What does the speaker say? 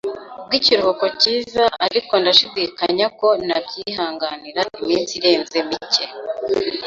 bwikiruhuko cyiza ariko ndashidikanya ko nabyihanganira iminsi irenze mike